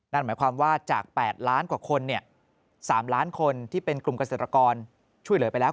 นั่นหมายความว่าจาก๘ล้านกว่าคน๓ล้านคนที่เป็นกลุ่มเกษตรกรช่วยเหลือไปแล้ว